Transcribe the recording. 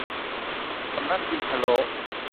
สำนักพิมพ์พะโล้